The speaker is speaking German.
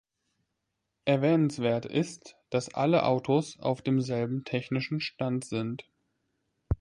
Erwähnenswert ist, dass alle Autos auf demselben technischen Stand sind.